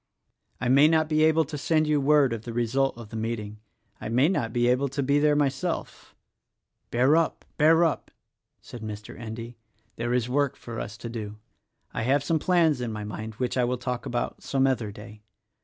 I may not be able to send you word of the result of the meeting — I may not be able to be there myself —" "Bear up — bear up!" said Mr. Endy, "there is work for us to do. I have some plans in my mind which I will talk about some other day.